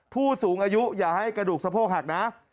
ผู้สูงอายุอย่าให้กระดูกสะโพกหักนะ